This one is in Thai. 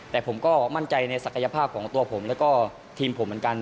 แต่ผมก็มั่นใจในศักยภาพของตัวผมแล้วก็ทีมผมเหมือนกัน